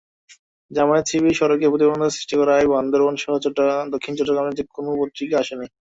জামায়াত-শিবির সড়কে প্রতিবন্ধকতা সৃষ্টি করায় বান্দরবানসহ দক্ষিণ চট্টগ্রামে কোনো পত্রিকা আসেনি।